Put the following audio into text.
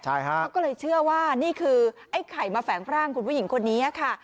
เขาก็เลยเชื่อว่านี่คือไอ้ไข่มาแฝงร่างคุณผู้หญิงคนนี้ค่ะ